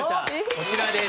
こちらです。